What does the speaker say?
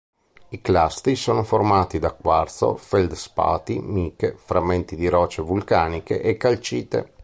I clasti sono formati da quarzo, feldspati, miche, frammenti di rocce vulcaniche e calcite.